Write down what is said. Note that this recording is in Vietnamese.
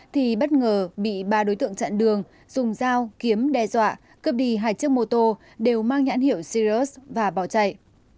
thì bất ngờ bị ba đối tượng chặn đường dùng dao kiếm đe dọa cướp đi hai chiếc mô tô đều mang nhãn hiệu zirus và bỏ chạy